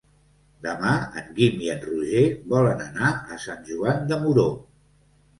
Demà en Guim i en Roger volen anar a Sant Joan de Moró.